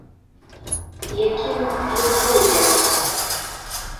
Якім ён быў для вас?